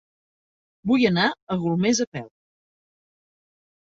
Vull anar a Golmés a peu.